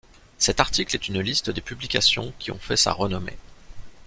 Cet article est une liste des publications qui ont fait sa renommée.